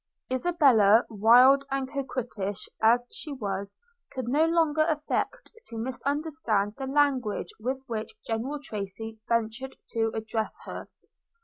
Isabella, wild and coquettish as she was, could no longer affect to misunderstand the language with which General Tracy ventured to address her.